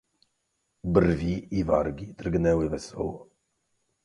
"Brwi i wargi drgnęły wesoło."